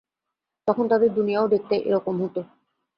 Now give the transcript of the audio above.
তখন তাদের দুনিয়াও দেখতে এরকম হতো।